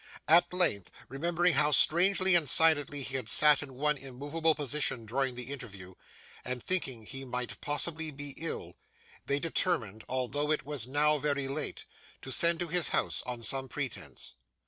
At length, remembering how strangely and silently he had sat in one immovable position during the interview, and thinking he might possibly be ill, they determined, although it was now very late, to send to his house on some pretence.